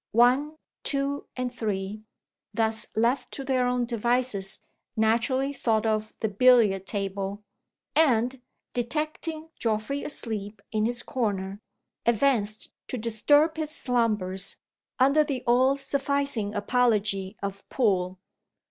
One, Two, and Three, thus left to their own devices, naturally thought of the billiard table; and, detecting Geoffrey asleep in his corner, advanced to disturb his slumbers, under the all sufficing apology of "Pool."